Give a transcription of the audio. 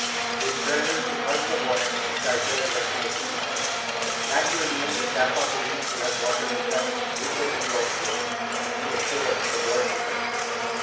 They threatened to hurt the boy if Tytell went to the police. Naturally, the Tampa police would have gotten in touch with the New York force to assure the boy's protection.